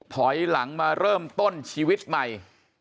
ถอยหลังมาเริ่มต้นชีวิตใหม่